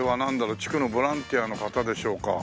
地区のボランティアの方でしょうか？